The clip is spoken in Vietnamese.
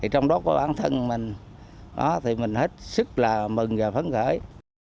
trong đó có bản thân mình mình hết sức mừng và phấn khởi